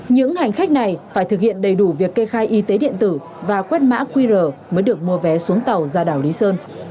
những hành khách này phải thực hiện đầy đủ việc kê khai y tế điện tử và quét mã qr mới được mua vé xuống tàu ra đảo lý sơn